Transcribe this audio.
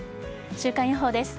週間予報です。